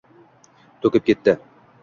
To’kib ketdi